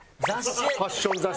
ファッション雑誌。